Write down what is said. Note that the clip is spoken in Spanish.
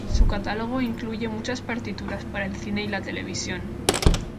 Su catálogo incluye muchas partituras para el cine y la televisión.